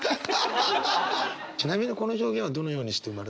ちなみにこの表現はどのようにして生まれたんですか？